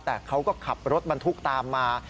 แต่เขาก็ขับรถบรรทุกตามมา